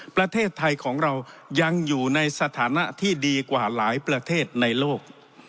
ประเทศไทยของเรายังอยู่ในสถานะที่ดีกว่าหลายประเทศในโลก